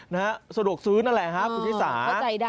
นะฮะสะดวกซื้อนั่นแหละครับคุณ